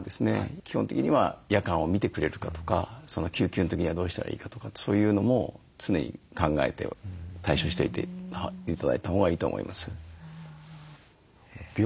基本的には夜間を診てくれるかとか救急の時にはどうしたらいいかとかってそういうのも常に考えて対処しといて頂いたほうがいいと思います。